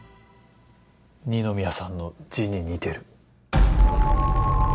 二宮さんの字に似てる。